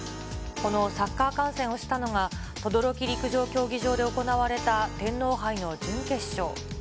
このサッカー観戦をしたのが、等々力陸上競技場で行われた天皇杯の準決勝。